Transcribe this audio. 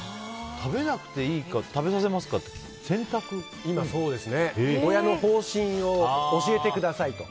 食べなくていいか食べさせますかって親の方針を教えてくださいと。